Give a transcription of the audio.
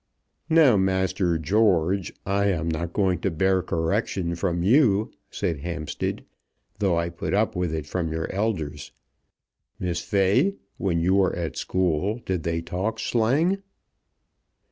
"Now, Master George, I am not going to bear correction from you," said Hampstead, "though I put up with it from your elders. Miss Fay, when you were at school did they talk slang?"